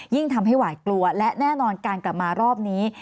ยิ่งทำให้หวาดกลัวและแน่นอนการกลับมารอบนี้